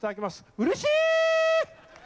うれしー！